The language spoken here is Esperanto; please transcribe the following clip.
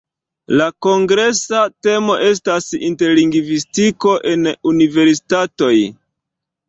La kongresa temo estas: "Interlingvistiko en universitatoj".